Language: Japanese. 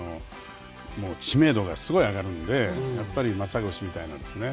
もう知名度がすごい上がるのでやっぱり松阪牛みたいなですね